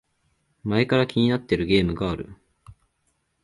前から気になってるゲームがある